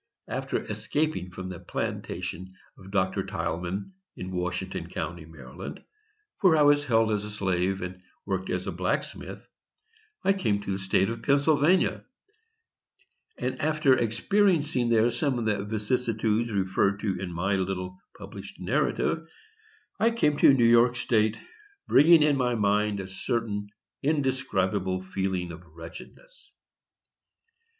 After escaping from the plantation of Dr. Tilghman, in Washington County, Md., where I was held as a slave, and worked as a blacksmith, I came to the State of Pennsylvania, and, after experiencing there some of the vicissitudes referred to in my little published narrative, I came into New York State, bringing in my mind a certain indescribable feeling of wretchedness.